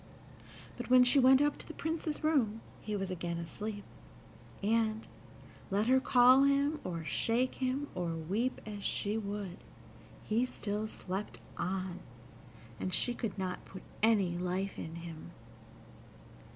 But when she went up to the Prince's room he was again asleep, and, let her call him, or shake him, or weep as she would, he still slept on, and she could not put any life in him.